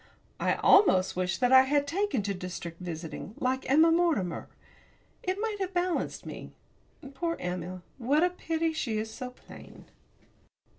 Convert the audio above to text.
I almost wish that I had taken to district visiting, like Emma Mortimer it might have balanced me. Poor Emma! what a pity she is so plain.